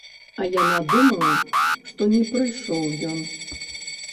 А яна думала, што не прыйшоў ён.